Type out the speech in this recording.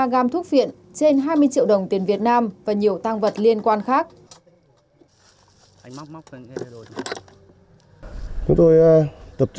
găm thuốc phiện trên hai mươi triệu đồng tiền việt nam và nhiều tăng vật liên quan khác